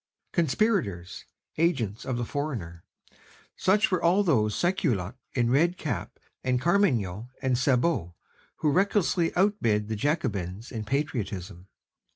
Conspirators, agents of the foreigner, such were all those sansculottes in red cap and carmagnole and sabots who recklessly outbid the Jacobins in patriotism.